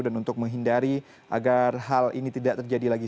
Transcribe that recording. dan untuk menghindari agar hal ini tidak terjadi lagi